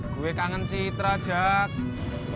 gue kangen si hitra jack